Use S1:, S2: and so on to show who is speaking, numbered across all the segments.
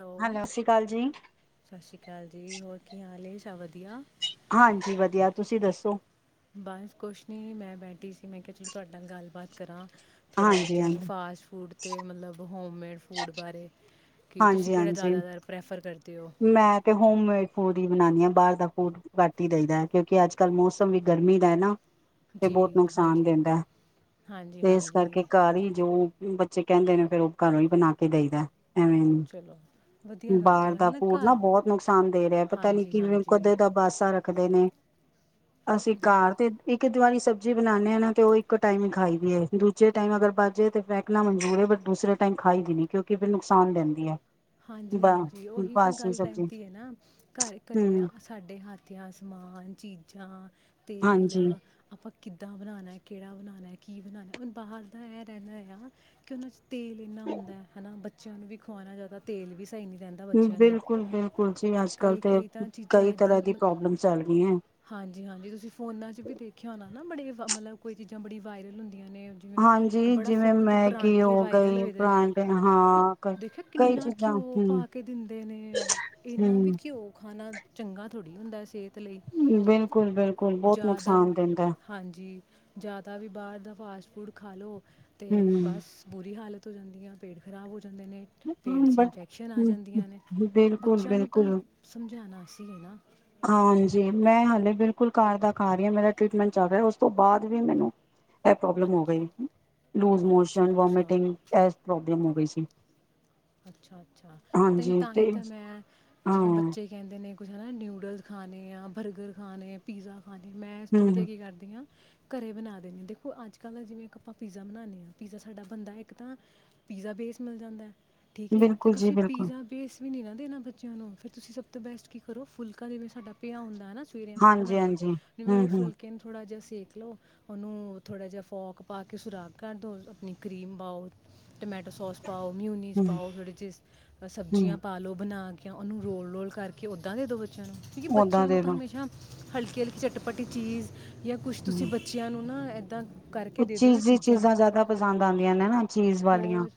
S1: Hello
S2: ਸਤਿ ਸ਼੍ਰੀ ਅਕਾਲ ਜੀ
S1: ਸਤਿ ਸ਼੍ਰੀ ਅਕਾਲ ਜੀ ਹੋਰ ਕੀ ਹਾਲ ਸਭ ਵਧੀਆ
S2: ਹਾਂਜੀ ਵਧੀਆ ਤੁਸੀਂ ਦੱਸੋ
S1: ਬਸ ਕੁਛ ਨੀ ਮੈਂ ਬੈਠੀ ਸੀ ਮੈਂ ਕਿਹਾ ਚਲੋ ਤੁਹਾਡੇ ਨਾਲ ਗੱਲਬਾਤ ਕਰਾਂ ਥੋੜ੍ਹਾ
S2: ਹਾਂਜੀ
S1: ਬੱਚਿਆਂ
S2: ਹਾਂਜੀ
S1: ਨੂੰ ਫਾਸਟ ਫੂਡ 'ਤੇ ਮਤਲਬ ਹੋਮ ਮੇਡ ਫੂਡ ਬਾਰੇ ਕਿ ਤੁਸੀਂ
S2: ਹਾਂਜੀ
S1: ਕਿਹੜਾ
S2: ਹਾਂਜੀ
S1: ਜ਼ਿਆਦਾਤਰ ਪ੍ਰੈਫਰ ਕਰਦੇ ਹੋ
S2: ਮੈਂ ਤੇ ਹੋਮ ਮੇਡ ਫੂਡ ਹੀ ਬ ਬਾਹਰ ਦਾ ਫੂਡ ਘੱਟ ਹੀ ਰਹਿੰਦਾ ਹੈ ਕਿਉਂਕਿ ਅੱਜ ਕੱਲ੍ਹ ਮੌਸਮ ਵੀ ਗਰਮੀ ਦਾ ਹੈ ਨਾ ਤੇ
S1: ਜੀ
S2: ਬਹੁਤ
S1: ਜੀ
S2: ਨੁਕਸਾਨ
S1: ਹਾਂਜੀ
S2: ਦਿੰਦਾ ਹੈ
S1: ਹਾਂਜੀ
S2: ਤੇ ਇਸ
S1: ਹਾਂਜੀ
S2: ਕਰਕੇ ਘਰ ਹੀ ਜੋ ਬੱਚੇ ਕਹਿੰਦੇ ਨੇ ਫੇਰ ਉਹ ਘਰੋਂ ਹੀ ਬਣਾ ਕੇ ਦੇਈ ਦਾ
S1: ਚਲੋ
S2: ਐਵੇਂ
S1: ਵਧੀਆ ਕਰਦੇ
S2: ਬਾਹਰ
S1: ਹੋ ਹੈ
S2: ਦਾ ਫੂਡ ਨਾ
S1: ਘਰ
S2: ਬਹੁਤ ਨੁਕਸਾਨ ਦੇ ਰਿਹਾ ਪਤਾ ਨੀ
S1: ਹਾਂਜੀ
S2: ਕਿਵੇਂ
S1: ਹਾਂਜੀ
S2: ਕਦੇ ਦਾ ਬਾਸਾ ਰੱਖ ਦੇ ਨੇ ਅਸੀਂ
S1: ਹਾਂ
S2: ਘਰ ਤੇ ਇੱਕ ਦੀਵਾਰੀ ਸਬਜ਼ੀ ਬਣਾਉਂਦੇ ਆ ਨਾ ਤੇ ਉਹ ਇੱਕ ਟਾਈਮ ਹੀ ਖਾਈ ਦੀ ਏ ਦੂਜੇ ਟਾਈਮ ਅਗਰ ਬਜੇ ਤੇ ਫਹਿਕਣਾ ਮਨਜੂਰ ਹੈ ਬਟ ਦੂਸਰੇ ਟਾਈਮ ਖਾਈ ਵੀ ਨੀ ਕਿਉਂਕਿ ਮੈਨੂੰ ਨਕਸਾਨ ਦਿੰਦੀ ਹੈ
S1: ਹਾਂਜੀ ਹਾਂਜੀ ਉਹੀ ਤਾਂ
S2: ਬਾਸੀ
S1: ਗੱਲ
S2: ਸਬਜ਼ੀ
S1: ਰਹਿੰਦੀ ਹੈ ਨਾ ਘਰ ਘਰੇ
S2: ਹਮ
S1: ਸਾਡੇ ਹਾਥੀਆਂ ਸਮਾਨ ਚੀਜ਼ਾਂ ਤੇਲ
S2: ਹਾਂਜੀ
S1: ਆਪਾਂ ਕਿੱਦਾਂ ਬਣਾਉਣਾ ਕਿਹੜਾ ਬਣਾਉਣਾ ਕੀ ਬਣਾਉਣਾ ਹੁਣ ਬਾਹਰ ਦਾ ਇਹ ਰਹਿੰਦਾ ਆ ਕਿ ਉਹਨਾਂ 'ਚ ਤੇਲ ਇੰਨਾ ਹੁੰਦਾ ਹੈ ਨਾ ਬੱਚਿਆਂ ਨੂੰ ਵੀ ਖਵਾਉਣਾ ਜ਼ਿਆਦਾ ਤੇਲ ਵੀ ਸਹੀ ਨਹੀਂ ਰਹਿੰਦਾ ਬੱਚਿਆਂ ਲਈ
S2: ਬਿਲਕੁਲ ਬਿਲਕੁਲ ਜੀ ਅੱਜ ਕੱਲ
S1: ਕਈ
S2: ਤੇ
S1: ਕਈ ਤਾਂ ਚੀਜ਼ਾਂ
S2: ਕਈ
S1: ਇੱਦਾਂ
S2: ਤਰ੍ਹਾਂ ਦੀ
S1: ਮ
S2: ਪ੍ਰੋਬਲਮ ਚੱਲ ਰਹੀ ਹੈ
S1: ਹਾਂਜੀ ਹਾਂਜੀ ਤੁਸੀਂ ਫੋਨਾਂ 'ਚ ਵੀ ਦੇਖਿਆ ਹੋ ਨਾ ਨਾ ਬੜੇ ਮਤਲਬ ਕੋ ਚੀਜ਼ਾਂ ਬੜ ਵਾਇਰਲ ਹੁੰਦੀਆਂ ਨੇ ਜਿਵੇਂ ਇੱਕ
S2: ਹਾਂਜੀ
S1: ਬੜਾ
S2: ਜਿਵੇਂ
S1: ਫੋਨ 'ਚ
S2: ਮੈਗੀ
S1: ਪਰਾਂਠੇ
S2: ਹੋ
S1: ਵਾਇਰਲ
S2: ਗਈ
S1: ਹੋਏ ਦੇ ਨੇ
S2: ਪਰਾਂਠੇ ਹਾਂ ਕਈ
S1: ਦੇਖਿਆ
S2: ਕਈ
S1: ਕਿੰਨਾ
S2: ਚੀਜ਼ਾਂ
S1: ਘਿਓ
S2: ਹਮ
S1: ਪਾ ਕੇ ਦਿੰਦੇ ਨੇ ਇਹਨਾਂ ਵੀ
S2: ਹਮ
S1: ਘਿਓ ਖਾਣਾ ਚੰਗਾ ਥੋੜ੍ਹੀ ਹੁੰਦਾ ਸਿਹਤ ਲਈ
S2: ਬਿਲਕੁਲ- ਬਿਲਕੁਲ, ਬਹੁਤ
S1: ਜ਼ਿਆਦਾ
S2: ਨੁਕਸਾਨ ਦਿੰਦੈ।
S1: ਹਾਂਜੀ ਜ਼ਿਆਦਾ ਵੀ ਬਾਹਰ ਦਾ ਫਾਸਟ ਫੂਡ ਖਾ ਲਓ ਤੇ
S2: ਹਮ
S1: ਬਸ, ਬੁਰੀ ਹਾਲਤ। ਜਾਂਦੀ ਹੈ, ਪੇਟ ਖਰਾਬ ਹੋ ਜਾਂਦਾ ਦੇ ਨੇ, ਪੇਟ
S2: ਬਟ
S1: ਚਿੰ [unintelligible] ਆ ਜਾਂਦੀਆਂ ਨੇ,
S2: ਬਿਲਕੁਲ
S1: ਬੱਚਿਆਂ ਨੂੰ ਤਾਂ
S2: ਬਿਲਕੁਲ
S1: ਸਮਝਾਣਾ ਅਸੀਂ ਹੈ ਨਾ।
S2: ਹਾਂਜੀ, ਮੈਂ ਹਾਲੇ ਬਿਲਕੁਲ ਘਰ ਦਾ ਖਾ ਰਹੀ ਹਾਂ ਮੇਰਾ ਟੀਟਮੈਂਟ ਚੱਲ ਰਿਹਾ, ਉਸ ਤੋਂ ਬਾਅਦ ਵੀ ਮੈਨੂੰ ਇਹ ਪ੍ਰੋਬਲਮ ਹੋ
S1: ਅੱਛਾ
S2: ਗਈ ਲੂਜ
S1: ਓ
S2: ਮੋਸ਼ਨ,
S1: ਅੱਛਾ ਅੱਛਾ
S2: ਵੋਮਟਿੰਗ, ਇਹ ਪ੍ਰੋਬਲਮ ਹੋ ਗਈ ਸੀ। [unintelligible]
S1: ਅੱਛਾ-ਅੱਛਾ, ਤੇ ਤਾਂਹੀ ਤੇ ਮੈਂ,
S2: ਹਾਂ
S1: ਜਿਵੇਂ ਬੱਚੇ ਕਹਿੰਦੇ ਨੇ ਕੁਛ ਹੈ ਨਾ ਨਿਊਡਲਸ ਖਾਣੇ ਆ, ਬਰਗਰ ਖਾਣੇ, ਪੀਜ਼ਾ ਹਾਂਜੀ, ਮੈਂ ਇਸ ਤੋਂ ਵਧੀਆ
S2: ਹਮ
S1: ਕੀ ਕਰਦੀ ਹਾਂ ਘਰੇ ਬਣਾ ਦੇਂਦਾ, ਦੇਖੋ ਅੱਜ ਕੱਲ ਜਿਵੇਂ ਆਪਾਂ ਪੀਜ਼ਾ ਬਣਾਦੇ ਆ, ਪੀਜ਼ਾ ਸਾਡਾ ਬੰਦਾ, ਇੱਕ ਤਾਂ ਪੀਜ਼ਾ ਬੇਸ ਮਿਲ ਜਾਂਦਾ। ਠੀਕ ਏ ਜੇ
S2: ਬਿਲਕੁਲ ਜੀ
S1: ਤੁਸੀਂ
S2: ਬਿਲਕੁਲ
S1: ਪੀਜ਼ਾ ਬੇਸ ਨਹੀਂ ਨਾ ਦੇਣਾ ਬੱਚਿਆਂ ਨੂੰ ਫੇਰ ਤੁਸੀਂ ਸਭ ਤੋਂ ਬੈਸਟ ਕੀ ਕਰੋ ਫੁਲਕਾ ਜਿਵੇਂ ਸਾਡਾ ਪਿਆ ਹੁੰਦਾ ਨਾ ਸਵੇਰੇ ਆਪਾਂ
S2: ਹਾਂਜੀ
S1: ਬਣਾਇਆ,
S2: ਹਾਂਜੀ ਹਮ
S1: ਜਿਵੇਂ
S2: ਹਮ
S1: ਫੁਲਕੇ ਨੂੰ ਥੋੜ੍ਹਾ ਜਿਹਾ ਸੇਕ ਦੇਖ ਲੋ, ਉਹਨੂੰ ਥੋੜਾ ਜਿਹਾ ਫੋਕ ਪਾ ਕੇ ਸੁਰਾਗ ਕਰ ਦੋ, ਆਪਣੀ ਕਰੀਮ ਪਾਓ, ਟਮੈਟੋ ਸੋਸ ਪਾਓ, ਨਿੰ
S2: ਹਮ
S1: ਪਾਓ
S2: ਹਮ
S1: ਸਬਜ਼ੀਆਂ ਪਾ ਲਓ ਬਣਾ ਕੇ ਉਹਨੂੰ ਰੋਲ-ਰੋਲ ਕਰਕੇ ਓਦਾਂ ਦੇ ਦੋ ਬੱਚ ਬੱਚਿਆਂ ਨੂੰ, ਕਿਉਂਕਿ
S2: ਓਦਾਂ
S1: ਬੱਚਿਆਂ ਨੂੰ
S2: ਦੇ
S1: ਤਾਂ
S2: ਦੋ
S1: ਹਮੇਸ਼ਾ ਹਲਕੀ ਹਲਕੀ ਚਟਪੱਟੀ ਚੀਜ਼ ਯਾ ਕੁਛ ਤੁਸੀਂ ਬੱਚਿਆਂ ਨੂੰ ਨਾ ਇਦਾਂ
S2: ਚੀਜ਼ੀ ਚੀਜ਼ਾਂ ਜ਼ਿਆਦਾ ਪਸੰਦ ਆਦੀਆਂ ਨੇ ਨਾ, ਚੀਜ਼ ਵਾਲੀਆਂ
S1: ਹੋਰ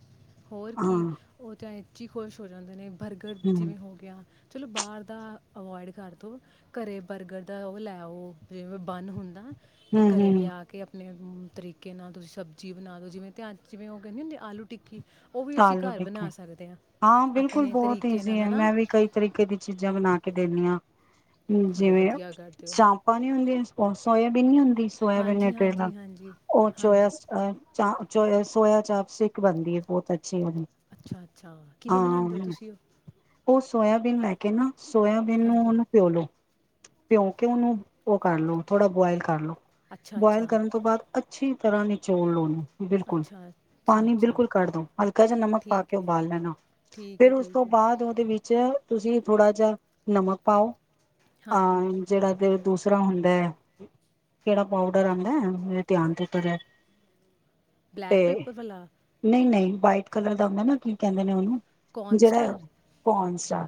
S1: ਹੋਰ
S2: ਹਾਂ।
S1: ਕੀ ਉਹ ਤਾਂ ਇਹ 'ਚ ਹੀ ਖੁਸ਼ ਹੋ ਜਾਂਦੇ ਨੇ, ਬਰਗਰ
S2: ਹਮ
S1: ਜਿਵੇਂ ਹੋ ਗਿਆ। ਚਲੋ ਬਾਹਰ ਦਾ ਅਵੋਇਡ ਕਰਦੋ ਘਰੇ ਬਰਗਰ ਦਾ ਉਹ ਲੈਓ, ਜਿਵੇਂ ਬੰਨ ਹੁੰਦਾ। ਤੇ
S2: ਹਮ
S1: ਘਰੇ
S2: ਹਮ
S1: ਲਿਆ ਕੇ ਆਪਣੇ ਤਰੀਕੇ ਨਾਲ ਤੁਸੀਂ ਸਬਜ਼ੀ ਬਣਾ ਦਿਉ, ਜਿਵੇਂ ਧਿਆਨ ਚ, ਜਿਵੇਂ ਔ ਕਹਿੰਦੇ ਨੀ ਹੁੰਦੇ ਆਲੂ ਟਿੱਕੀ। ਉਹ ਵੀ ਅਸੀਂ
S2: ਆਲੂ
S1: ਘਰ ਬਣਾ ਸਕਦੇ
S2: ਹਾਂ ਬਿਲਕੁਲ
S1: ਆਪਣੇ
S2: ਬਹੁਤ
S1: ਤਰੀਕੇ
S2: ਈਜ਼ੀ
S1: ਨਾਲ
S2: ਹੈ,
S1: ਨਾ
S2: ਮੈਂ ਵੀ ਕਈ ਤਰੀਕੇ ਦੀ ਚੀਜ਼ਾਂ ਬਣਾ ਕੇ ਦਿੰਨੀ ਹਾਂ। ਹੂੰ,
S1: ਚਲੋ
S2: ਜਿਵੇਂ
S1: ਵਧੀਆ ਕਰਦੇ ਹੋ
S2: ਚਾਂਪਾਂ ਨਹੀਂ ਹੁੰਦੀਆਂ, ਸਪੋਂ ਸੋਇਆ ਨਹੀਂ ਹੁੰਦਾ। ਸੋਆਬਿਨ
S1: ਹਾਂਜੀ ਹਾਂਜੀ
S2: [unintelligible]
S1: ਹਾਂਜੀ
S2: ਉਹ ਚੋ
S1: ਹਾਂਜੀ
S2: ਚ ਸੋਇਆ ਚਾਪ ਸਟਿਕ ਬਣਦੀ ਹੈ ਬਹੁਤ ਅੱ
S1: ਅੱਛਾ-ਅੱਛਾ, ਕਿਵੇਂ ਬਣਾਦੇ ਹੋ ਤੁਸੀਂ?
S2: ਉਹ ਸੋਇਆਬੀਨ ਲੈ ਕੇ ਨਾ, ਸੋਇਬੀਨ ਨੂੰ
S1: ਹਾਂਜੀ
S2: ਔਨੁੰ ਪਿਓ ਲੋ। ਭਿਉਂ ਕੇ ਉਹਨੂੰ ਉਹ ਕਰ ਲੋ ਥੋੜਾ ਬੋਆਇਲ ਕਰ ਲੋ।
S1: ਅੱਛਾ
S2: ਬੁਆਇਲ
S1: ਅੱਛਾ
S2: ਕਰਨ ਤੋਂ ਬਾਅਦ ਅੱਛੀ ਤਰ੍ਹਾਂ ਨਿਚੋੜ ਲੋ ਓ ਨੂੰ। ਬਿਲਕੁਲ
S1: ਅੱਛਾ ਅੱਛਾ
S2: ਪਾਣੀ
S1: ਅੱਛਾ
S2: ਬਿਲਕੁਲ ਕੱਢ ਦਉ ਜਾਂ ਨਮਕ ਪਾ
S1: ਠੀਕ
S2: ਕੇ
S1: ਹੈ
S2: ਉਬਾਲ ਲੈਣਾ
S1: ਠੀਕ ਹੈ
S2: ਫੇਰ ਉਸ
S1: ਠੀਕ
S2: ਤੋਂ
S1: ਹੈ
S2: ਬਾਅਦ ਉਹਦੇ ਵਿੱਚ ਥੋੜਾ ਜਿਹਾ ਨਮਕ ਪਾਓ। ਹਾਂ
S1: ਹਾਂਜੀ
S2: ਜਿਹੜਾ ਦੇ ਦੂਸਰਾ ਹੁੰਦਾ ਹੈ ਕਿਹੜਾ ਪਾਊਡਰ ਆਦਾ ਇਹ ਧਿਆਨ ਤੇਤਰ ਤੇ
S1: ਬਲੈਕ ਪੇਪਰ ਵਾਲਾ
S2: ਨਹੀਂ ਨਹੀਂ ਵਾਈਟ ਕਲਰ ਦਾ ਹੁੰਦਾ ਨਾ ਕੀ ਕਹਿੰਦੇ ਨੇ ਉਹਨੂੰ
S1: ਕੌਰਨ
S2: ਜਿਹੜਾ ਆ
S1: ਸਟਾਰ
S2: ਕੌਣਜ ਦਾ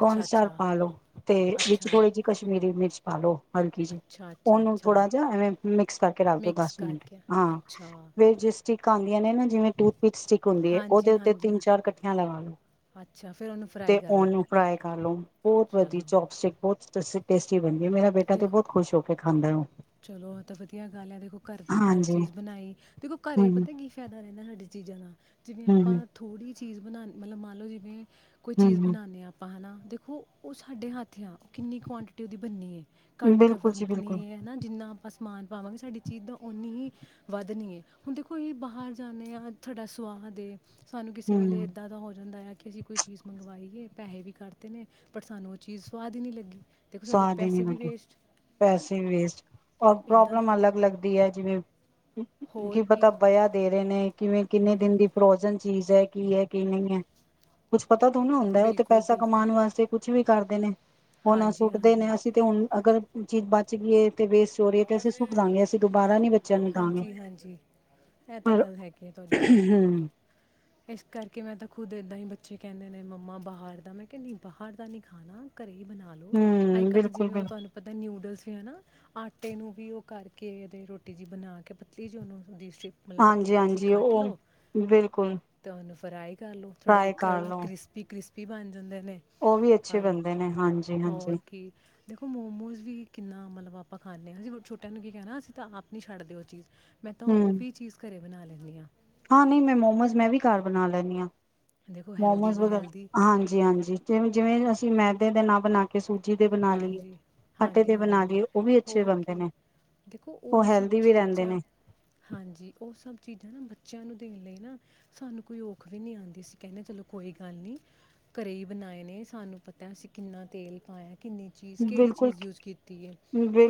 S1: ਅੱਛਾ ਅੱਛਾ
S2: ਪਾ ਲੋ ਤੇ ਵਿੱਚ
S1: ਅੱਛਾ
S2: ਥੋੜੀ ਜਿਹੀ ਕਸ਼ਮੀਰੀ ਮਿਰਚ ਪਾ ਲੋ। ਹਲਕੀ ਜਿਹੀ
S1: ਅੱਛਾ ਅੱਛਾ
S2: ਉਹਨੂੰ
S1: ਅੱਛਾ
S2: ਥੋੜ੍ਹਾ ਜਿਹਾ ਐਵੇਂ ਮਿਕਸ ਕਰਕੇ ਰੱਖ ਦਿਉ
S1: ਮਿਕਸ
S2: ਦਸ ਮਿੰਟ
S1: ਕਰਕੇ
S2: ਹਾਂ
S1: ਅੱਛਾ
S2: ਫਿਰ ਜਿਸ ਸਟਿਕ ਆਦੀਆਂ ਨੇ ਨਾ ਜਿਵੇਂ ਟੂਥਪਿਕ ਸਟਿਕ ਹੁੰਦੀ ਹੈ ਉਹਦੇ
S1: ਹਾਂਜੀ
S2: ਉੱਤੇ ਤਿੰਨ
S1: ਹਾਂਜੀ
S2: ਚਾਰ ਕੱਠੀਆਂ ਲਗਾ ਲੋ
S1: ਅੱਛਾ ਫਿਰ ਉਹਨੂੰ ਫਰਾਈ
S2: ਤੇ
S1: ਕਰ ਲਓ
S2: ਉਹਨੂੰ ਫਰਾਈ ਕਰ ਲੋ ਬਹੁਤ ਵਧੀਆ
S1: ਚਲੋ
S2: ਚੋਪਸਟਿਕ ਬਹੁਤ ਟੇਸਟੀ ਮੇਰਾ ਬੇਟਾ ਤੇ
S1: ਦੇਖੋ
S2: ਬਹੁਤ ਖੁਸ਼ ਹੋ ਕੇ ਖਾਂਦਾ ਹੁਣ
S1: ਚਲੋ ਐ ਤਾਂ ਵਧੀਆ ਗੱਲ ਐ ਦੇਖੋ ਘਰ ਦੀ ਘਰ ਚੀਜ਼ ਬਣਾਈ, ਦੇਖੋ
S2: ਹੂੰ
S1: ਘਰੇ ਪਤਾ ਕੀ ਫਾਇਦਾ ਰਹਿੰਦਾ ਚੀਜ਼ਾਂ ਦਾ। ਜਿਵੇਂ
S2: ਹੂੰ
S1: ਆਪਾਂ ਥੋੜੀ ਚੀਜ਼ ਬਣਾਨੇ ਮਤਲਬ ਮਲ ਲੋ ਜਿਵੇਂ ਕੋਈ ਚੀਜ਼
S2: ਹੂੰ
S1: ਬਣਾਦੇ ਆ ਆਪਾਂ ਹਨਾ। ਦੇਖੋ ਉਹ ਸਾਡੇ ਹੱਥ ਤੇ ਕਿੰਨੀ ਕੁਆਂਟਿਟੀ ਦੀ ਬੰਨੀ ਐ
S2: ਹੂੰ
S1: ਘੱਟ ਗ
S2: ਬਿਲਕੁਲ ਜੀ ਬਿਲਕੁਲ
S1: ਵਰਤਨੀ ਐ ਹਨਾ। ਆਪਾਂ ਸਮਾਨ ਪਾਵਾਂਗੇ ਸਾਡੀ ਚੀਜ਼ ਦਾ ਓਨੀ ਹੀ ਵੱਧਣੀ ਏ ਹੁਣ ਦੇਖੋ ਅਹੀ ਬਾਹਰ ਜਾਂਦੇ ਹਾਂ ਤੁਹਾਡਾ ਸੁਵਾਦ ਹੈ। ਸਾਨੂੰ ਕਿਸੇ ਵੇਲੇ
S2: ਹੂੰ
S1: ਏਦਾਂ ਦਾ ਹੋ ਜਾਂਦਾ ਆ ਕਿ ਅਸੀਂ ਕੋਈ ਚੀਜ਼ ਮੰਗਵਾਈਏ ਪੈਸੇ ਵੀ ਕੱਟਦੇ ਨੇ ਪਰ ਸਾਨੂੰ ਉਹ ਚੀਜ਼ ਸਆਦ ਹੀ ਨਹੀਂ ਲੱਗੀ। ਦੇਖੋ ਸਾਡੇ
S2: ਸਵਾਦ ਹੀ ਨੀ
S1: ਪੈਸੇ ਵੀ
S2: ਲਗਿਆ,
S1: ਵੇਸਟ
S2: ਪੈਸੇ ਵੇਸਟ
S1: ਇਦਾਂ
S2: ਪ੍ਰੋਬਲਮ
S1: ਦਾ
S2: ਅਲੱਗ ਲੱਗਦੀ ਹੈ ਜਿਵੇਂ ਕੀ ਪਤਾ ਬਆ ਦੇ ਰਹੇ ਨੇ ਕਿਵੇਂ ਕਿੰਨੇ ਦਿਨ ਦੀ
S1: ਬਿਲਕੁਲ
S2: ਪ੍ਰੋਜਨ ਚੀਜ਼ ਹੈ ਕੀ ਹੈ ਕੀ ਨਹੀਂ ਹੈ ਕੁਛ ਪਤਾ ਤਾਂ ਓਨੂ ਹੁੰਦਾ ਹੈ ਉੱਥੇ
S1: ਬਿਲਕੁਲ
S2: ਪੈਸਾ
S1: ਬਿਲਕੁਲ
S2: ਕਮਾ ਵਾਸਤੇ ਕੁੱਛ ਵੀ ਕਰਦੇ ਨੇ ਹੁਣ ਸ
S1: ਹਾਂਜੀ
S2: ਦੇ
S1: ਹਾਂਜੀ
S2: ਨੇ ਅਸੀਂ ਤੇ ਹੁਣ ਅਗਰ ਚੀਜ਼ ਬਚੇਗੀ ਤੇ ਵੇਸਟ ਹੋ ਰਹੀ ਹੈ ਤੇ ਅਸੀਂ ਸੁੱਕ ਦਵਾਂਗੇ ਅਸੀਂ ਦੁਬਾਰਾ ਨੀ ਬੱਚਿਆਂ ਨੂੰ ਦਵਗੇ
S1: ਹਾਂਜੀ ਹਾਂਜੀ ਇਹ ਤਾਂ
S2: ਪਰ
S1: ਗੱਲ ਹੈਗੀ ਹੈ ਤੁਹਾਡੀ ਸਹੀ
S2: ਹਮ
S1: ਇਸ ਕਰਕੇ ਮੈਂ ਤਾਂ ਖੁਦ ਇੱਦਾਂ ਹੀ ਬੱਚੇ ਕਹਿੰਦੇ ਨੇ ਮੰਮਾ ਬਾਹਰ ਦਾ ਮੈਂ ਕਹਿੰਦੀ ਬਾਹਰ ਦਾ ਨਹੀਂ ਖਾਣਾ ਘਰੇ ਹੀ ਬਣਾ ਲੋੋ ਅਜ
S2: ਹੂੰ
S1: ਕੱਲ੍ਹ ਤਾਂ
S2: ਬਿਲਕੁਲ
S1: ਜਿਵੇਂ ਉਹ
S2: ਬਿਲਕੁਲ
S1: ਤੁਹਾਨੂੰ ਪਤਾ ਨਿੂਡਲ ਹਨਾ ਅੱਠ ਪਤੇ ਨੂੰ ਵੀ ਉਹ ਕਰਕੇ ਇਹਦੇ ਰੋਟੀ ਜਿਹੀ ਬਣਾ ਕੇ ਪਤਲੀ ਜੀ ਉਹਨੂੰ ਦੀ ਮਤਲਬ ਪਤਲੀ
S2: ਹਾਂਜੀ
S1: ਪਤਲੀ
S2: ਹਾਂਜੀ
S1: ਕਾਟ
S2: ਉਹ
S1: ਲੋਓ
S2: ਬਿਲਕੁਲ
S1: ਤੇ ਉਹਨੂੰ ਫਰਾਈ ਕਰ ਲ ਥੋੜੇ
S2: ਟਰਾਈ ਕਰ ਲਓ
S1: ਕ੍ਰਿਸਪੀ ਕ੍ਰਿਸਪੀ ਵੀ ਬੰ
S2: ਉਹ ਵੀ ਅੱਛੇ ਬੰਦੇ ਨੇ ਹਾਂਜੀ ਹਾਂਜੀ
S1: ਹੋਰ ਕੀ ਦੇਖੋ ਮੋਮੋਸ ਵੀ ਕਿੰਨਾ ਮਤਲਬ ਆਪਾਂ ਖਾਂਦੇ ਹਾਂਸੀਂ ਛੋਟਿਆਂ ਨੂੰ ਕੀ ਕਹਿਣਾ ਅਸੀਂ ਆਪ ਨਹੀਂ ਛੱਡਦੇ ਉਹ ਚੀਜ਼ ਮੈਂ ਤਾਂ ਉਹ
S2: ਹੂੰ
S1: ਵੀ ਚੀਜ਼ ਕਰਰੇ ਬਣਾ ਲੈਂਦੀ ਹਾਂ
S2: ਹਾਂ ਨਹੀਂ ਮੈਂ ਮੋਮੋਸ ਮੈਂ ਵੀ ਘਰ ਬਣਾ ਲੈਂਦੀ ਹਾਂ
S1: ਦੇਖੋ ਹੈਲਦੀ
S2: ਮੋਮੋਸ
S1: ਦੇ
S2: ਵਗੈਰਾ
S1: ਹੈਲਦੀ
S2: ਹਾਂਜੀ ਹਾਂਜੀ ਜ ਜਿਵੇਂ ਮੈਦੇ ਦੇ ਨਾਲ ਬਣਾ ਕੇ ਸੂਟ
S1: ਹਾਂਜੀ ਹਾਂਜੀ ਹਾਂਜੀ
S2: ਲਈਏ ਉਹ ਵੀ ਅੱਛੇ
S1: ਹੋਰ
S2: ਬਣਦੇ
S1: ਕੀ
S2: ਨੇ
S1: ਦੇਖੋ ਉਹ ਸਭ
S2: ਹੈਲਦੀ ਵੀ ਰਹਿੰਦੇ
S1: ਚੀਜ਼ਾਂ
S2: ਨੇ
S1: ਹਾਂਜੀ ਉਹ ਸਭ ਚੀਜ਼ਾਂ ਨਾ ਬੱਚਿਆਂ ਨੂੰ ਦੇਣ ਲਈ ਨਾ ਸਾਨੂੰ ਕੋਈ ਔਖ ਵੀ ਨਹੀਂੀ ਆਉਂਦੀ ਅਸੀਂ ਕਹਿੰਦੇ ਚਲੋ ਕੋਈ ਗੱਲ ਨਹੀਂੀ ਘਰੇ ਹੀ ਬਣਾਏ ਨੇ ਸਾਨੂੰ ਪਤਾ ਅਸੀਂ ਕਿੰਨਾ ਤੇਲ ਪਾਇਆ ਕਿੰਨੀ ਚੀਜ਼ ਕਿਹੜੀ
S2: ਬਿਲਕੁਲ
S1: ਚੀਜ਼ ਯੂਜ ਕੀਤੀ ਹੈ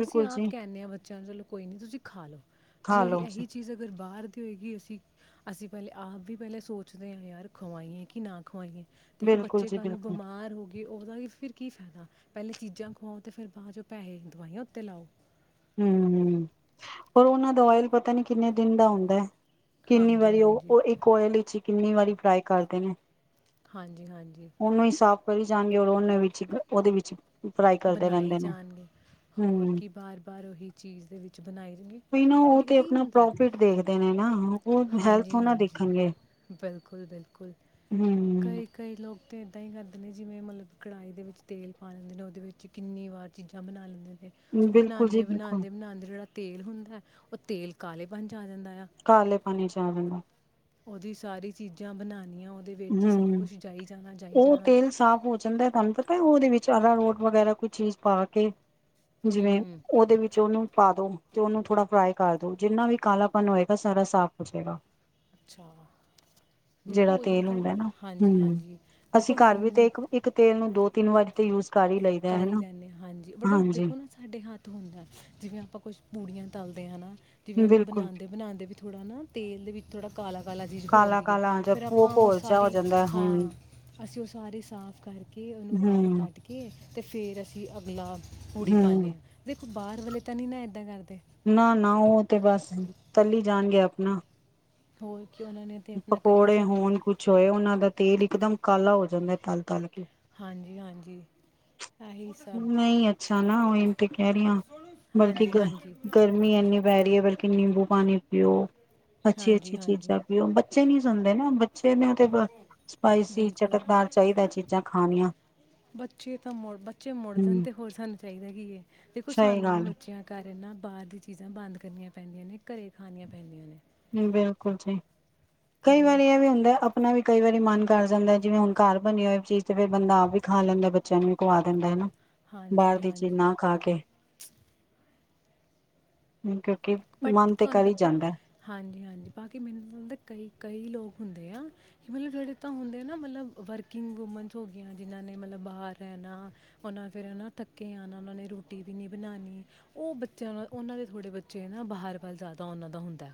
S1: ਅਸੀਂ ਆਪ
S2: ਜੀ
S1: ਕਹਿੰਦੇ ਹਾਂ ਬੱਚਿਆਂ ਨੂੰ ਚਲੋ ਕੋਈ ਨੀ ਤੁਸੀਂ ਖਾ ਲਓ ਜੇ
S2: ਖਾ
S1: ਅਸੀਂ
S2: ਲਓ
S1: ਇਹੀ ਚੀਜ਼ ਅਗਰ ਬਾਹਰ ਦੀ ਹੋਏਗੀ ਅਸੀ ਠੀ ਅਸੀਂ ਪਹਿਲੇ ਆਪ ਵੀ ਪਹਿਲੇ ਸੋਚਦੇ ਹਾਂ ਯਾਰ ਖਵਾਈਏ ਕਿ ਨਾ ਖਵਾਈਏ ਦੇਖੋ
S2: ਬਿਲਕੁਲ
S1: ਬੱਚੇ
S2: ਜੀ
S1: ਕੱਲ ਨੂੰ
S2: ਬਿਲਕੁਲ
S1: ਬਿਮਾਰ ਹੋ ਗਏ ਉਹਦਾ ਫਿਰ ਕੀ ਫਾਇਦਾ ਪਹਿਲੇ ਚੀਜ਼ਾਂ ਖਵਾਓ ਤੇ ਫੇਿਰ ਬਾਅਦ ਚ ਪੈਸੇ ਦਵਾਈਆਂ ਉੱਤੇ ਲਾਓ
S2: ਹਮ ਹ ਪਰ ਉਹਨਾਂ ਦਾ ਆਇਲ ਪਤਾ ਨੀ ਕਿੰਨੇ ਦਿਨ ਦਾ ਹੁੰਦਾ ਹੈ ਕਿੰਨੀ
S1: ਹਾਂਜੀ
S2: ਵਾਰੀ
S1: ਹਾਂਜੀ
S2: ਉਹ ਇੱਕ ਆਇਲ ਚ ਕਿੰਨੀ ਵਾਰੀ ਫਰਾਈ ਕਰਦੇ ਨੇ ਉਹਨੂੰ ਹੀ ਸਾਫ਼
S1: [inaudible]
S2: ਕਰੀ ਜਾਣਗੇ ਔਰ ਉਹਨੇ ਵਿੱਚ ਉਹਦੇ ਵਿੱਚ ਫਰਾਈ ਕਰਦੇ ਰਹਿੰਦੇ ਨੇ ਹਮ ਵੀ ਨਾ ਉਹ ਤੇ ਆਪਣਾ
S1: [inaudible]
S2: ਪ੍ਰੋਫਿਟ ਦੇਖਦੇ ਨੇ ਨਾ ਉਹ ਹੈਲਥ ਉਹ ਨਾ ਦੇਖਣਗੇ ਹੂੰ
S1: [inaudible] ਲੋਕ ਤਾਂ ਇੱਦਾਂ ਹੀ ਕਰਦੇ ਨੇ ਜਿਵੇਂ ਮਤਲਬ ਕਿ ਕੜਾਹੀ ਦੇ ਵਿੱਚ ਤੇਲ ਪਾ ਲੈਂਦੇ ਨੇ ਉਹਦੇ ਵਿੱਚ ਕਿੰਨੀ ਵਾਰ ਚੀਜ਼ਾਂ ਬਣਾ ਲੈਂਦੇ ਨੇ
S2: ਬਿਲਕੁਲ ਜੀ ਬਿਲਕੁਲ
S1: [unintelligible] ਤੇਲ ਹੁੰਦਾ ਹੈ ਉਹ ਤੇਲ ਕਾਲੇਪਣ ਚ ਆ ਜਾਂਦਾ ਆ
S2: ਕਾਲੇ ਪਾਣੀ ਚ ਆ ਜਾਂਦਾ
S1: ਉਹਦੀ ਸਾਰੀ ਚੀਜ਼ਾਂ [unintelligible] ਵਿੱਚ ਹੀ ਸਭ
S2: ਹਮ
S1: ਕੁਝ ਜਾਈ ਜਾਣਾ ਜਾਈ
S2: ਉਹ
S1: ਜਾਣਾ
S2: ਤੇਲ ਸਾਫ਼ ਹੋ ਜਾਂਦਾ ਹੈ ਤੁਵਾਨ ਪਤਾ ਉਹਦੇ ਵਿੱਚ ਅਰਾਰੋਡ ਵਗੈਰਾ ਕੋਈ ਚੀਜ਼ ਪਾ ਕੇ ਜਿਵੇਂ
S1: ਹੂੰ
S2: ਉਹਦੇ ਵਿੱਚ ਉਹਨੂੰ ਪਾ ਦੋ ਤੇ ਉਹਨੂੰ ਥੋੜ੍ਹਾ ਫਰਾਈ ਕਰ ਦੋ ਜਿੰਨਾ ਵੀ ਕਾਲਾਪਨ ਹੋਏਗਾ ਸਾਰਾ ਸਾਫ਼ ਹੋਜੇਗਾ
S1: [inaudible] ਹਾਂਜੀ
S2: [unintelligible]
S1: ਹਾਂਜੀ
S2: ਅਸੀਂ
S1: ਦੇਖੋ
S2: ਘਰ ਵੀ ਤੇ
S1: ਜਿਵੇਂ
S2: ਇੱਕ ਇੱਕ ਤੇਲ ਦੋ ਤਿੰਨ ਵਾਰੀੇ ਤੇ ਯੂਜ ਕਰ ਹੀ ਲਈਦਾ ਹਨਾ ਹਾਂਜੀ
S1: [inaudible] [unintelligible]
S2: ਬਿਲਕੁਲ
S1: [unintelligible] [inaudible] [inaudible] [inaudible] [inaudible]
S2: ਕਾਲਾ ਕਾਲਾ ਜਾਂ ਭੋ ਭੋਰ ਜਾ ਹੋ ਜਾਂਦਾ ਹੂੰ ਹੂੰ ਹੂੰ,
S1: ਬਾਹਰ ਵੇਲੇ ਤਾਂ ਨੀ ਨਾ ਏਦਾਂ ਕਰਦੇ
S2: ਨਾ ਨਾ ਉਹ ਤੇ ਬਸ ਤੱਲੀ ਜਾਣਗੇ ਆਪਣਾ
S1: [inaudible] ਤਾਂ ਆਪਣਾ ਕਰੀ
S2: ਪਕੌੜੇ
S1: ਜਾਣਾ ਹੈ
S2: ਹੋਣ ਕੁਛ ਹੋਏ ਉਹਨਾਂ ਦਾ ਤੇਲ ਇਕਦਮ ਕਾਲਾ ਹੋ ਜਾਂਦਾ ਤਲ ਨਹੀਂ
S1: [inaudible]
S2: [unintelligible] ਤੇ ਕਹਿ ਰਹੀ ਹਾਂ ਬਲਕਿ
S1: ਹਾਂਜੀ ਹਾਂਜੀ
S2: ਗਰਮੀ ਇੰਨੀ ਪੈ ਰਹੀ ਹੈ ਬਲਕਿ ਨਿੰਬੂ ਪਾਣੀ ਪੀਓ ਅੱਛੀ ਅੱਛੀ
S1: ਹਾਂਜੀ ਹਾਂਜੀ
S2: ਚੀਜ਼ਾਂ ਬੱਚੇ ਨੀ ਸੁਣਦੇ ਨਾ ਬੱਚੇ ਨੇ ਤੇ ਸਪਾਈਸੀ
S1: ਬਿਲਕੁਲ
S2: ਚਟਕਦਾਰ ਚਾਹੀਦਾ ਚੀਜ਼ਾਂ ਖਾਣੀਆਂ
S1: ਬੱਚੇ ਤਾਂ ਮੁੜ ਬੱਚੇ ਮੁੜ ਜਾਣ
S2: ਹੂੰ
S1: ਤੇ ਹੋਰ ਸਾਨੂੰ ਚਾਹੀਦਾ ਕੀ ਹੈ ਦੇਖੋ
S2: ਸਹੀ
S1: ਸਾਨੂੰ ਵੀ
S2: ਗੱਲ
S1: ਬੱਚਿਆਂ ਕਰ ਇਹ ਨਾ ਬਾਹਰ ਦੀ ਚੀਜ਼ਾਂ ਬੰਦ ਕਰਨੀਆਂ ਪੈਂਦੀਆਂ ਨੇ ਘਰੇ ਖਾਣੀਆਂ ਪੈਂਦੀਆਂ ਨੇ
S2: ਬਿਲਕੁਲ ਜੀ ਕਈ
S1: ਘਰੇ
S2: ਵਾਰੀ ਇਹ ਵੀ ਹੁੰਦਾ ਆਪਣਾ ਵੀ ਕਈ ਵਾਰੀ ਮਨ ਕਰ ਜਾਂਦਾ ਹੈ ਜਿਵੇਂ ਹੁਣ ਘਰ ਬਣੀ ਹੋਏ ਚੀਜ਼ ਤੇ ਫਿਰ ਬੰਦਾ ਆਪ ਵੀ ਖਾ ਲੈਂਦਾ ਬੱਚਿਆਂ ਨੂੰ ਵੀ ਖਵਾ ਦਿੰਦਾ ਹਨਾ ਬਾਹਰ
S1: ਹਾਂਜੀ
S2: ਦੀ ਚੀਜ਼
S1: ਹਾਂਜੀ
S2: ਨਾ ਖਾ ਕੇ ਠੀਕ
S1: ਬਟ ਤੁਹਾਨੂੰ ਪਤਾ ਹੈ ਹਾਂਜੀ ਹਾਂਜੀ ਬਾਕੀ ਮੈਨੂੰ ਲੱਗਦਾ ਕਈ ਕਈ ਲੋਕ ਹੁੰਦੇ ਆ ਕਿ ਮਤਲਬ ਜਿਹੜੇ ਤਾਂ ਹੁੰਦੇ ਆ ਨਾ ਮਤਲਬ ਵਰਕਿੰਗ ਵੂਮਨਸ ਹੋ ਗਈਆਂ ਜਿਹਨਾਂ ਨੇ ਮਤਲਬ ਬਾਹਰ ਰਹਿਣਾ ਉਹ ਫਿਰ ਨਾ ਧੱਕੇ ਆਉਣਾ ਉਹਨਾਂ ਨੇ ਰੋਟੀ ਵੀ ਨਹੀਂੀ ਬਣਾਉਣੀ ਉਹ ਬੱਚਿਆਂ ਨਾਲ ਉਹਨਾਂ ਦੇ ਥੋੜ੍ਹੇ ਬੇ ਜੇ ਨਾ ਬਾਹਰ ਵੱਲ ਜ਼ਿਆਦਾ ਉਹਨਾਂ ਦਾ ਹੁੰਦਾ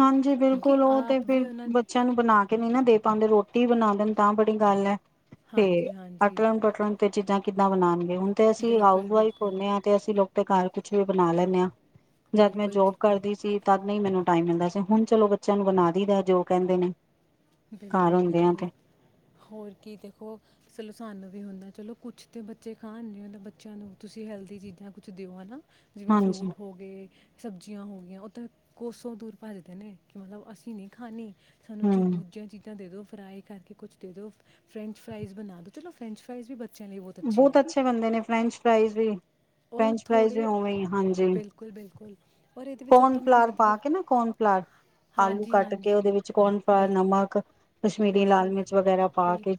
S2: ਹਾਂਜੀ
S1: ਕਿਉਂਕਿ
S2: ਬਿਲਕੁਲ ਉਹ ਤੇ
S1: ਆਪ
S2: ਫਿਰ
S1: ਵੀ ਉਹਨਾਂ ਨੇ
S2: ਬੱਚਿਆਂ ਨੂੰ ਬਣਾ ਕੇ ਨਹੀਂ ਨਾ ਦੇ ਪਾਂਦੇ ਰੋਟੀ ਰੋਟੀ ਬਣਾ ਦੇਣ ਤਾਂ ਬੜੀ ਗੱਲ ਹੈ ਤੇ
S1: ਹਾਂਜੀ ਹਾਂਜੀ
S2: ਅਟਲਣ ਟਟਲਣ ਤੇ ਚੀਜ਼ਾਂ ਕਿੱਦਾਂ ਬਨਾਣਗੇ ਹੁਣ ਤੇ ਅਸੀਂ ਹਾਊਸ
S1: ਬਿਲਕੁਲ
S2: ਵਾਈਫ
S1: ਬਿਲਕੁਲ
S2: ਹੁਣੇ ਆ ਤੇ ਅਸੀਂ ਲੋਕ ਤੇ ਘਰ ਕੁਛ ਵੀ ਬਣਾ ਲੈਣੇ ਆ
S1: ਬਿਲਕੁਲ
S2: ਜਦ ਮੈਂ
S1: ਬਿਲਕੁਲ
S2: ਜੋਬ ਕਰਦੀ ਸੀ ਤਦ ਨਹੀਂ ਮੈਨੂੰ ਟਾਈਮ ਮਿਲਦਾ ਸੀ ਹੁਣ ਚਲੋ ਬੱਚਿਆਂ ਨੂੰ ਬਣਾ ਦਈਦਾ ਜੋ ਕਹਿੰਦੇ ਨੇ ਘਰ
S1: ਬਿਲਕੁਲ
S2: ਹੁੰਦੇ ਆ
S1: ਬਿਲਕੁਲ
S2: ਤੇ
S1: ਹੋਰ ਕੀ ਦੇਖੋ ਸਲੁਸਾਨ ਵੀ ਹੁੰਦਾ ਚਲੋ ਕੁਛ ਤਾਂ ਬੱਚੇ ਖਾਣ ਨਹੀਂ ਹੁੰ ਤਾਂ ਬੱਚਿਆਂ ਨੂੰ ਤੁਸੀਂ ਹੈਲਦੀ ਚੀਜ਼ਾਂ ਕੁਛ ਦਿਓ ਹੈ ਨਾ ਜਿਵੇਂ
S2: ਹਾਂਜੀ
S1: ਫਰੂਟ ਹੋ ਗਏ ਸਬਜ਼ੀਆਂ ਹੋ ਗਈਆਂ ਉਹ ਤਾਂ ਕੋਸੋਂ ਦੂਰ ਭੱਜਦੇ ਨੇ ਕਿ ਮਤਲਬ ਅਸੀਂ ਨਹੀਂ ਖਾਣੀ ਸਾਨੂੰ
S2: ਹਮ
S1: [unintelligible] ਚੀਜ਼ਾਂ ਦੇ ਦੋ ਫਰਾਈ ਕਰਕੇ ਕੁਛ ਦੇ ਦੋ ਫਰੈਂਚ ਫਰਾਈਜ਼ ਬਣਾ ਦੋ ਚਲੋ ਫਰੈਂਚ ਫਰਾਈਜ਼ ਵੀ ਬੱਚਿਆਂ ਲਈ
S2: ਬਹੁਤ
S1: ਆ
S2: ਅੱਛੇ ਬੰਦੇ ਨੇ ਫਰੈਂਚ ਫਰਾਈਜ਼ ਵੀ
S1: ਔਰ
S2: ਫਰੈਂਚ ਫਰਾਈਜ਼ ਵੀ
S1: ਥੋੜ੍ਹੇ
S2: ਉਵੇਂ ਹਾਂਜੀ
S1: ਬਿਲਕੁਲ ਬਿਲਕੁਲ ਔਰ ਇਹਦੇ ਵਿੱਚ ਸਭ ਤੋਂ ਮੈਨੂੰ
S2: ਕੋਨਫਲਾਰ
S1: ਵਧੀਆ
S2: ਪਾ ਕੇ ਨਾ ਕੋਨਫਲਾਰ ਆਲੂ
S1: ਹਾਂਜੀ
S2: ਕੱਟ ਕੇ ਉਹਦੇ
S1: ਹਾਂਜੀ
S2: ਵਿੱਚ ਕੋਰਨਫਲਰ
S1: ਬਿਲ
S2: ਨਮਕ ਕਸ਼ਮੀਰੀ ਲਾਲ
S1: ਬਿਲਕੁਲ
S2: ਮਿਰਚ ਵਗੈਰਾ ਪਾ
S1: ਬਿਲ
S2: ਕੇ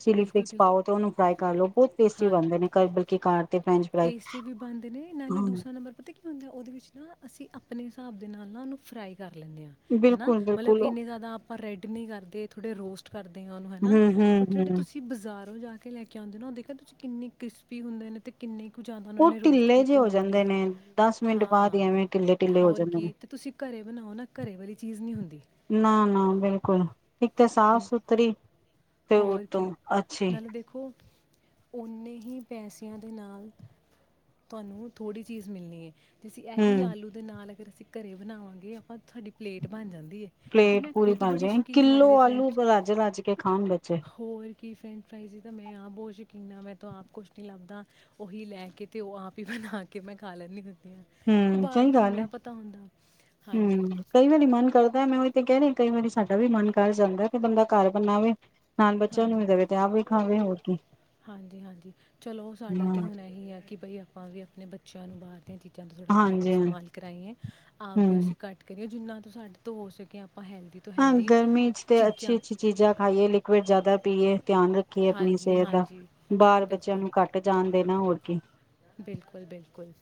S2: ਚਿਲੀ
S1: ਬਿਲਕੁਲ
S2: ਫਲਿਕਸ
S1: ਬਿਲਕੁਲ
S2: ਪਾਓ ਤੇ ਉਹਨੂੰ ਫਰਾ ਬਹੁਤ ਟੇਸਟੀ
S1: ਹਾਂ
S2: ਬਣਦੇ ਨੇ ਬਲਕਿ ਘਰ
S1: ਟੇਸਟੀ ਵੀ ਬਣਦੇ ਨੇ ਨਾਲੇ ਦੂਸਰਾ
S2: ਹਾਂ
S1: ਨੰਬਰ ਪਤਾ ਕੀ ਹੁੰਦਾ ਉਹਦੇ ਵਿੱਚ ਨਾ ਅਸੀਂ ਆਪਣੇ ਹਿਸਾਬ ਦੇ ਨਾਲ ਨਾ ਉਹਨੂੰ ਫਰਾਈ ਕਰ ਲੈਂਦੇ ਹਾਂ ਹਨਾ
S2: ਬਿਲਕੁਲ
S1: ਮਤਲਬ
S2: ਬਿਲਕੁਲ
S1: ਇੰਨੇ ਜ਼ਿਆਦਾ ਆਪਾਂ ਰੈੱਡ ਨੀ ਕਰਦੇ ਥੋੜੇ ਰੋਸਟ ਕਰਦੇ ਆ ਉਹਨੂੰ
S2: ਹੂੰ
S1: ਹਨਾਟ
S2: ਹੂੰ
S1: ਜਿਹੜੇ
S2: ਹੂੰ
S1: ਤੁਸੀਂ ਬਾਜ਼ਾਰ ਜਾ ਕੇ ਲੈ ਕੇ ਆਉਂਦੇ ਨਾ ਦੇਖ ਤੁਸੀਂ ਕਿੰਨੇ ਕ੍ਰਿਸਪੀ ਹੁੰਦੇ ਨੇ ਤੇ ਕਿੰਨੇ ਕੁ ਜਾਂਦਾ ਉਹਨਾਂ
S2: ਉਹ
S1: ਨੇ ਰੋਸਟ
S2: ਢਿੱਲੇ ਜੇ
S1: ਕੀਤੇ
S2: ਹੋ
S1: ਹੁੰਦੇ ਨੇ
S2: ਜਾਂਦੇ ਦਸ ਮਿੰਟ ਬਾਅਦ ਹੀ
S1: ਹਾਂ
S2: ਐਵੇਂ ਢਿੱਲੇ ਢਿੱਲੇ ਹੋ
S1: ਹੋਰ
S2: ਜਾਂਦੇ ਨੇ
S1: ਕੀ ਤੇ ਤੁਸੀਂ ਘਰੇ ਬਣਾਓ ਨਾ ਘਰੇ ਵਾਲੀ ਚੀਜ਼ ਨਹੀਂ ਹੁੰਦੀ
S2: ਨਾ ਨਾ ਬਿਲਕੁਲ ਇੱਕ ਤਾਂ ਸਾਫ਼
S1: ਕਿਉਂ
S2: ਸੁਥਰੀ ਤੇ
S1: ਹੋਰ
S2: ਉਹਤੋਂ
S1: ਕੀ
S2: ਅੱਛੇ
S1: ਨਾਲੇ ਦੇਖੋ ਓਨੇ ਹੀ ਪੈਸਿਆਂ ਦੇ ਨਾਲ ਤੁਹਾਨੂੰ ਥੋੜ੍ਹੀ ਚੀਜ਼ ਮਿਲਣੀ ਜਸੀਂ ਇਹੀ
S2: ਹੂੰ
S1: ਆਲੂ ਦੇ ਨਾਲ ਫਿਰ ਅਸੀਂ ਘਰ ਬਣਾਵਾਂਗੇ ਆਪਾਂ ਤੁਹਾਡੀ ਪਲੇਟ ਬਣ ਜਾਂਦੀ ਹੈ ਕਿਉਂਕਿ
S2: ਪਲੇਟ
S1: ਮੈਂ
S2: ਪੂਰੀ
S1: ਖੁਦ
S2: ਪਾ
S1: ਬੜੀ
S2: ਜਾ
S1: ਸ਼ੌਕੀਨ ਹੈ
S2: ਕਿੱਲੋ
S1: ਇਹਦੇ
S2: ਆਲੂ
S1: ਫਰੈਂਚ
S2: ਰਾਜੇ ਰੱਜ ਕੇ ਖਾਣ ਬੱਚੇ
S1: ਕਿ ਫਰੈਂਚ ਫਰਾਈਜ਼ ਸੀ ਤਾਂ ਮੈਂ ਆਪ ਬਹੁਤ ਸ਼ੌਕੀਨ ਹਾਂ ਮੈਂ ਤਾਂ ਆਪ ਕੁਛ ਨਹੀਂ ਲੱਭਦਾ ਉਹੀ ਲੈ ਕੇ ਤੇ ਉਹ ਆਪ ਹੀ ਬਣਾ ਕੇ ਮੈਂ ਖਾ ਲੈਂਦੀ ਹ ਕੋਈ
S2: ਹੂੰ
S1: ਬਾਹਰ
S2: ਸਹੀ
S1: ਦਾ
S2: ਗੱਲ
S1: ਨੀ
S2: ਏ।
S1: ਪਤਾ ਹੁੰਦਾ ਹਾਂਜੀ
S2: ਹੂੰ ਕਈ ਵਾਰੀ ਮਨ ਕਰਦਾ ਮੈਂ ਉਹੀ ਤੇ ਕਹਿ ਰਹੀ ਕਈ ਵਾਰੀ ਸਾਡਾ ਵੀ ਮਨ ਕਰ ਜਾਂਦਾ ਕਿ ਬੰਦਾ ਘਰ ਬਨਾਵੇ
S1: ਹਾਂਜੀ ਹਾਂਜੀ ਹਾਂਜੀ ਚਲੋ ਸਾਡਾ ਤਾਂ
S2: ਹੂੰ,
S1: ਹੁਣ ਇਹੀ ਆ ਕਿ ਬਾਈ ਆਪਾਂ ਵੀ ਆਪਣੇ ਬੱਚਿਆਂ ਨੂੰ ਬਾਹਰ ਦੀਆਂ ਚੀਜ਼ਾਂ ਦਾ ਥੋੜ੍ਹਾ ਘੱਟ
S2: ਹਾਂਜੀ ਹਾਂ,
S1: ਇਸਤੇਮਾਲ ਕਰਾਈਏ ਆਪ ਦੇ
S2: ਹੂੰ।
S1: ਅਸੀ ਕਟ ਕੇ ਜਿੰਨਾ ਤ ਸਾਡੇ ਤੋਂ ਹੋ ਸਕੇ ਆਪਾਂ ਹੈਲਦੀ ਤੋਂ
S2: ਹਾਂ
S1: ਹੈਲਦੀ
S2: ਗਰਮੀ ਚ ਤੇ ਅੱਛੀ
S1: ਚੀਜ਼ਾਂ
S2: ਅੱਛੀ ਚੀਜ਼ਾਂ ਖਾਈਏ ਲਿਕੁਡ ਜ਼ਿਆਦਾ ਪੀਏ ਧਿਆਨ ਰੱਖੀਏ ਆਪਣੀ
S1: ਹਾਂਜੀ
S2: ਸਿਹਤ ਦਾ
S1: ਹਾਂਜੀ
S2: ਬਾਹਰ ਬੱਚਿਆਂ
S1: ਬਿਲਕੁਲ
S2: ਨੂੰ ਘੱਟ ਜਾਣ ਦੇ ਨਾ ਹੋਰ ਕੀ
S1: ਬਿਲਕੁਲ ਬਿਲਕੁਲ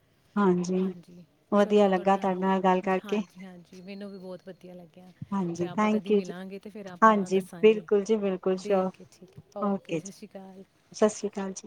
S1: ਹਾਂਜੀ
S2: ਵਧੀਆ
S1: ਚਲੋ ਤੁਹਾਡੇ
S2: ਲੱਗਾ
S1: ਨਾਲ
S2: ਗੱਲ ਕਰਕੇ
S1: ਹਾਂਜੀ ਹਾਂਜੀ ਮੈਨੂੰ ਵੀ ਬਹੁਤ ਵਧੀਆ ਲੱਗਿਆ ਫਿਰ
S2: ਹਾਂਜੀ
S1: ਆਪਾਂ
S2: ਥੈਂਕ
S1: ਕਦੀ
S2: ਯੂ ਜੀ
S1: ਮਿਲਾਂਗੇ ਤਾਂ ਫਿਰ ਆਪਾਂ
S2: ਹਾਂਜੀ
S1: ਦੱਸਾਂਗੇ
S2: ਬਿਲਕੁਲ ਜੀ ਬਿਲਕੁਲ ਸ਼ੋਰ
S1: ਦੇਠੀਕ ਹੈ ਠੀਕ ਓਕੇ ਸਤਿ ਸ਼੍ਰੀ ਅਕਾਲ
S2: ਸਤਿ ਸ਼੍ਰੀ ਅਕਾਲ ਜੀ।